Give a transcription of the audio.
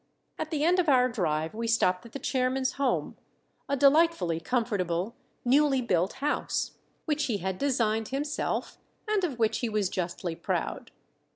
At the end of our drive we stopped at the chairman's home, a delightfully comfortable, newly built house, which he had designed himself and of which he was justly proud.